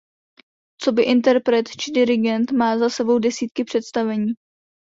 Coby interpret či dirigent má za sebou desítky představení.